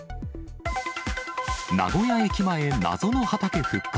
名古屋駅前、謎の畑復活。